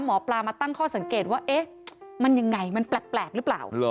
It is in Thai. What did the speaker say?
หมอปลามาตั้งข้อสังเกตว่าเอ๊ะมันยังไงมันแปลกหรือเปล่า